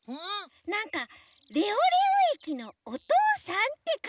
なんか「レオレオえきのおとうさん」ってかんじじゃない？